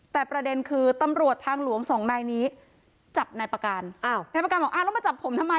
แต่ประเด็นคือตำรวจทางหลวงสองนายนี้จับนายประการอ้าวนายประการบอกอ้าวแล้วมาจับผมทำไม